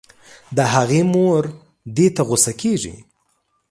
د هغې مور دې ته غو سه کيږي